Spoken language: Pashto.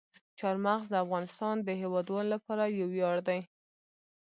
چار مغز د افغانستان د هیوادوالو لپاره یو ویاړ دی.